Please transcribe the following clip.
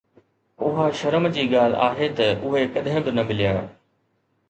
اها شرم جي ڳالهه آهي ته اهي ڪڏهن به نه مليا